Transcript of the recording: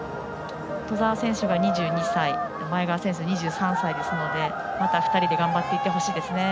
兎澤選手が２２歳前川選手は２３歳ですのでまた２人で頑張っていってほしいですね。